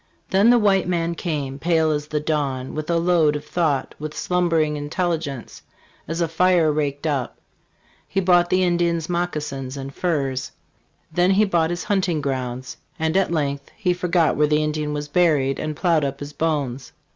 "THEN the white man came, pale as the dawn, with a load of thought, with slumbering intelli gence as a fire raked up. He bought the Indian's moccasins and furs; then he bought his hunt ing grounds ; and at length he forgot where the Indian was buried and plowed up his bones."